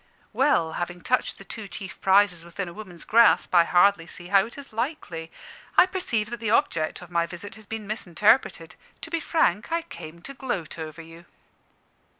Well, having touched the two chief prizes within a woman's grasp, I hardly see how it is likely. I perceive that the object of my visit has been misinterpreted. To be frank, I came to gloat over you."